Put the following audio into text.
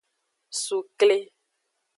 Sukle.